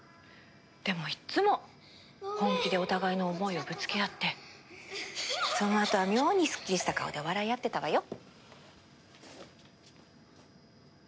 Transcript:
でもいっつも本気でお互いの思いをぶつけ合ってそのあとは妙にすっきりした顔で笑い合ってたわよ。